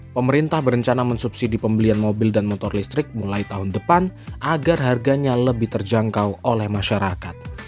pemerintah berencana mensubsidi pembelian mobil dan motor listrik mulai tahun depan agar harganya lebih terjangkau oleh masyarakat